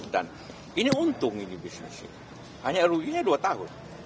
dan ini untung ini bisnis itu hanya ruginya dua tahun